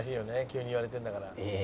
急に言われてるんだから。